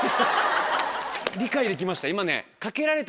理解できました今ね。